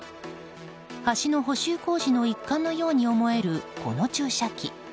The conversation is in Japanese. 橋の補修工事の一環のように思える、この注射器。